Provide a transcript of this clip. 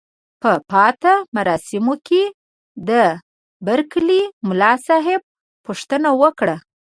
په پاتا مراسمو کې د برکلي ملاصاحب پوښتنه وکړه.